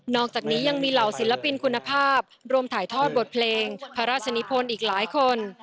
อกจากนี้ยังมีเหล่าศิลปินคุณภาพรวมถ่ายทอดบทเพลงพระราชนิพลอีกหลายคน